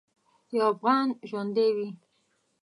یو افغان ژوندی وي.